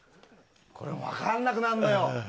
これ、分からなくなるのよ。